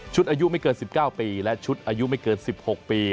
อายุไม่เกิน๑๙ปีและชุดอายุไม่เกิน๑๖ปี